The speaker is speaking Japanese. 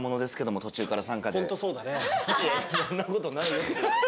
「そんなことないよ」とか。